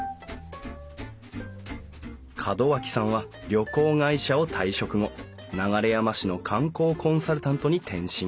門脇さんは旅行会社を退職後流山市の観光コンサルタントに転身。